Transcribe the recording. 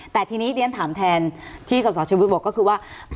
แต่ทีนี้เรียนถามแทนที่สสชวิตบอกก็คือว่า